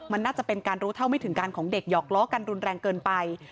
มันน่าจะเป็นการรู้เท่าไม่ถึงการของเด็กหอกล้อกันรุนแรงเกินไป